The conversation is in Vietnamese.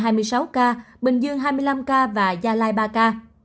ba mươi bảy ca bắc cạn hai mươi sáu ca bình dương hai mươi năm ca gia lai ba ca